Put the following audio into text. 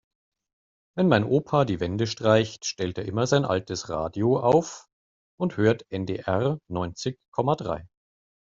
Wenn mein Opa die Wände streicht, stellt er immer sein altes Radio auf und hört NDR neunzig Komma drei.